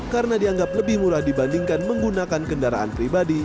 karena dianggap lebih murah dibandingkan menggunakan kendaraan pribadi